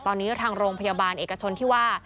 ตอนนี้ทางโรงพยาบาลเอกชนที่ว่า